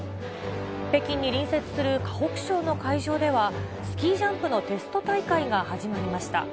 北京に隣接する河北省の会場では、スキージャンプのテスト大会が始まりました。